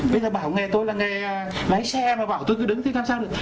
bây giờ bảo nghe tôi là nghe lái xe mà bảo tôi cứ đứng thế làm sao được